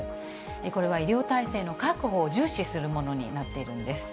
これは医療体制の確保を重視するものになっているんです。